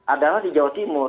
adalah di jawa timur